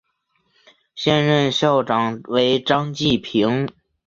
现任校长为张晋平。